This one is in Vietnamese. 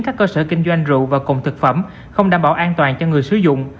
các cơ sở kinh doanh rượu và cùng thực phẩm không đảm bảo an toàn cho người sử dụng